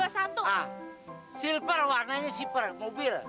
silver warnanya zipper mobil